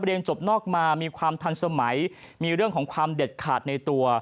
จบนอกมามีความทันสมัยมีเรื่องของความเด็ดขาดในตัว